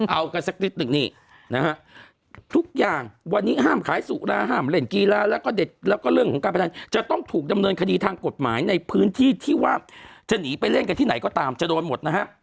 เอากันสักนิดหนึ่งนี่นะฮะทุกอย่างวันนี้ห้ามขายสุราห้ามเล่นกีฬาแล้วก็เด็ดแล้วก็เรื่องของการพนันจะต้องถูกดำเนินคดีทางกฎหมายในพื้นที่ที่ว่าจะหนีไปเล่นกันที่ไหนก็ตามจะโดนหมดนะฮะ